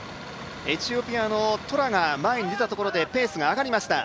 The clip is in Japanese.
エチオピアのトラが前に出たところでペースが上がりました。